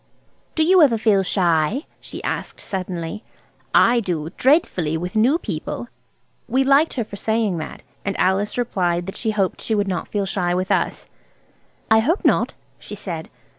"Do you ever feel shy," she asked suddenly. "I do, dreadfully, with new people." We liked her for saying that, and Alice replied that she hoped she would not feel shy with us. "I hope not," she said.